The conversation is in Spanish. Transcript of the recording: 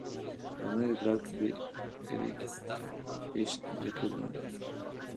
La madre drag de Eureka es Jacqueline St.